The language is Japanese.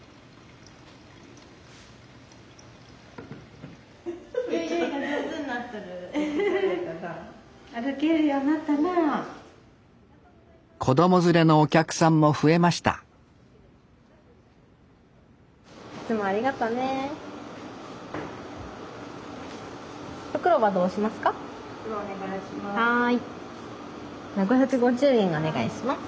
では５５０円お願いします。